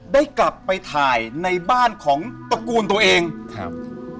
ได้กลับไปถ่ายในบ้านของตระกูลตัวเองครับ